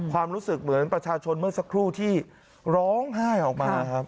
ความรู้สึกเหมือนประชาชนเมื่อสักครู่ที่ร้องไห้ออกมาครับ